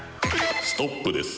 ストップです。